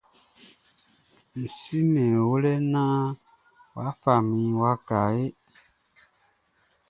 Mʼsiman wlele nan fami waya ehe.